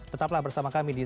tetaplah bersama kami di